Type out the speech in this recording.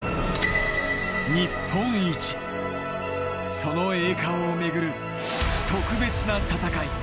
その栄冠を巡る特別な戦い。